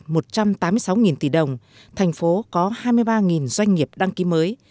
nhìn nhận hai mươi sáu tỷ đồng thành phố có hai mươi ba doanh nghiệp đăng ký mới